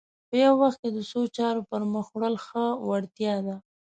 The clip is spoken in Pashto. په یوه وخت کې د څو چارو پر مخ وړل ښه وړتیا ده